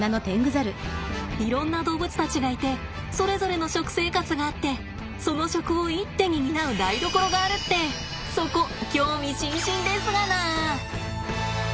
いろんな動物たちがいてそれぞれの食生活があってその食を一手に担う台所があるってそこ興味津々ですがな！